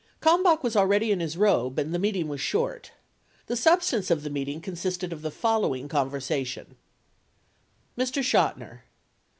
Kalmbach was already in his robe and the meeting was short. The substance of the meeting consisted of the following conversation : Mr. Chotiner.